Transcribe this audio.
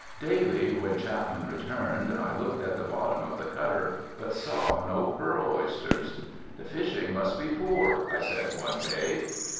Daily when Chapman returned I looked in the bottom of the cutter but saw no pearl oysters. "The fishing must be poor," I said one day.